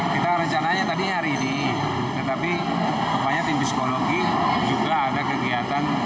kita rencananya tadi hari ini tetapi rupanya tim psikologi juga ada kegiatan